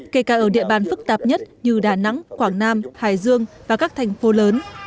kể cả ở địa bàn phức tạp nhất như đà nẵng quảng nam hải dương và các thành phố lớn